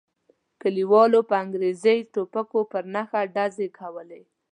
کلیوالو په انګریزي ټوپکو پر نښه ډزې کولې.